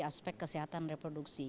dari aspek kesehatan reproduksi